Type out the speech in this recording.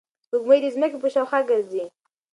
سپوږمۍ د ځمکې په شاوخوا ګرځي.